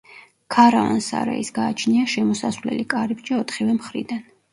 ქარავან-სარაის გააჩნია შემოსასვლელი კარიბჭე ოთხივე მხრიდან.